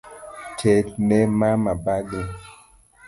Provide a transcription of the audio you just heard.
Terne mama bagni